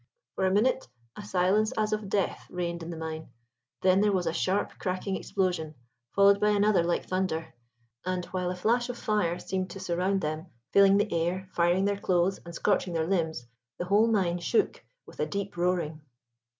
For a minute a silence as of death reigned in the mine; then there was a sharp cracking explosion, followed by another like thunder, and, while a flash of fire seemed to surround them, filling the air, firing their clothes, and scorching their limbs, the whole mine shook with a deep roaring.